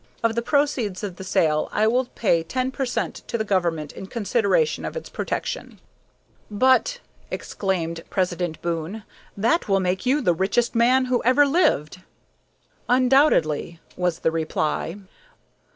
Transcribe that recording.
Of the proceeds of this sale I will pay ten per cent. to the government in consideration of its protection." "But," exclaimed President Boon, "that will make you the richest man who ever lived!" "Undoubtedly," was the reply.